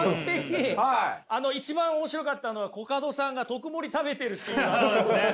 あの一番面白かったのはコカドさんが特盛食べてるっていうアドリブですね。